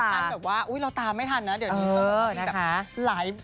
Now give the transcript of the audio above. เป็นแฟชั่นแบบว่าเราตามไม่ทันนะเดี๋ยวนี้